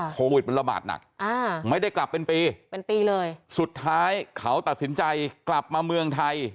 โควิดมันระบาดหนักอ่าไม่ได้กลับเป็นปีเป็นปีเลยสุดท้ายเขาตัดสินใจกลับมาเมืองไทย